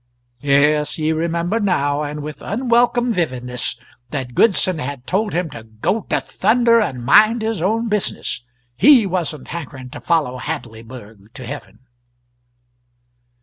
Yes, he remembered now, and with unwelcome vividness, that Goodson had told him to go to thunder and mind his own business he wasn't hankering to follow Hadleyburg to heaven!